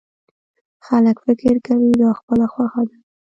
خلک فکر کوي دا خپله خوښه ده.